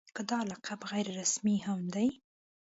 که دا لقب غیر رسمي هم دی.